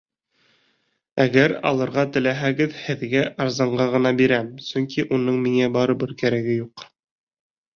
Әгәр алырға теләһәгеҙ, һеҙгә арзанға ғына бирәм, сөнки уның миңә барыбер кәрәге юҡ.